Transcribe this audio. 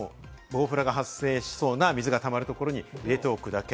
ボウフラが発生しそうな水がたまるところに入れておくだけ。